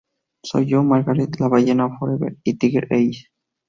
Soy yo, Margaret", "La Ballena", "Forever" y "Tiger Eyes".